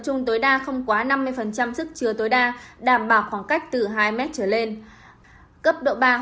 chung tối đa không quá năm mươi sức trưa tối đa đảm bảo khoảng cách từ hai m trở lên cấp độ ba hoạt động